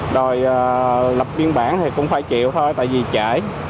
rồi lập biên bản thì cũng phải triệu thôi tại vì trễ